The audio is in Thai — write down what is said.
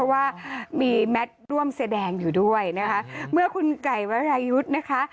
ว่ามีแมทร่วมแสดงอยู่ด้วยนะคะเมื่อคุณไก่วรายุทธ์นะคะ